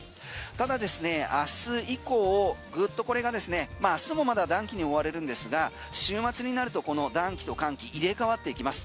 ただですね明日以降ぐっとこれがですね明日もまだ暖気に覆われるんですが週末になるとこの暖気と寒気入れ替わっていきます。